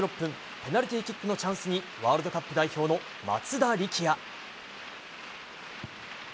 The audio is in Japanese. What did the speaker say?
ペナルティーキックのチャンスにワールドカップ代表の松田力也。